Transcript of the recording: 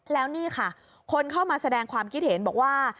แล้วนี่ค่ะคนเข้ามาแสดงความคิดเห็นบอกว่า